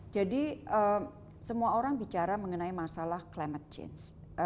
jadi semua orang bicara mengenai masalah climate change